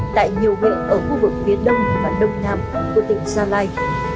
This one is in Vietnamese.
tại nhiều huyện ở khu vực phía đông và đông nam của tỉnh gia lai